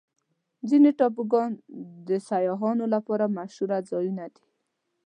ځینې ټاپوګان د سیاحانو لپاره مشهوره ځایونه دي.